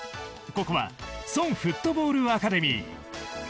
ここはソンフットボールアカデミー。